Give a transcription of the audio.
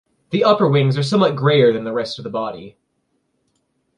The upper wings are somewhat grayer than the rest of the body.